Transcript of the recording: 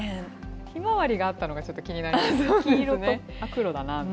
ひまわりがあったのがちょっと気になりました。